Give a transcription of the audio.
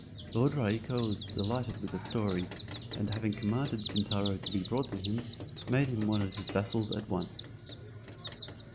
Lord Raiko was delighted with the story, and having commanded Kintaro to be brought to him, made him one of his vassals at once.